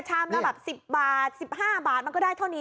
ชามละแบบ๑๐บาท๑๕บาทมันก็ได้เท่านี้